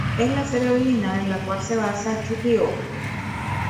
Es la serie original en la cual se basa "Yu-Gi-Oh!